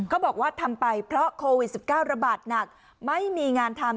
บอกว่าทำไปเพราะโควิด๑๙ระบาดหนักไม่มีงานทำ